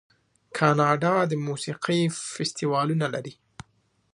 کاناډا د موسیقۍ فستیوالونه لري.